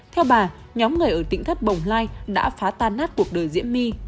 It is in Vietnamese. theo bà nhóm người ở tỉnh thất bồng lai đã phá tan nát cuộc đời diễm my